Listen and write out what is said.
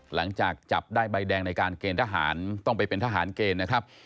หลังจากจับได้ใบแดงในการเกณฑ์ทหารต้องไปเป็นทหารเกณฑ์นะครับ